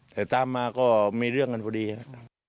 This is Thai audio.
แต่ตามมาก็มีเรื่องกันพอดีครับ